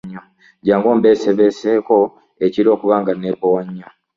Jangu ombeese beseeko ekiro kubanga nebowa nnyo.